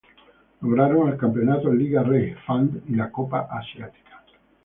Lograron el campeonato Liga Rey Fahd y la Copa Asiática.